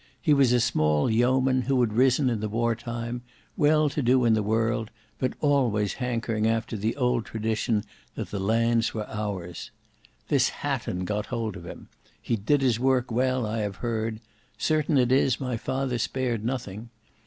He was a small yeoman, who had risen in the war time, well to do in the world, but always hankering after the old tradition that the lands were ours. This Hatton got hold of him; he did his work well, I have heard;—certain it is my father spared nothing.